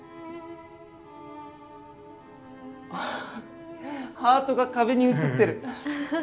あっハートが壁に映ってる！